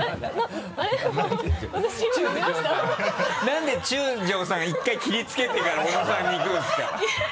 何で中條さん１回切りつけてから小野さんにいくんですか？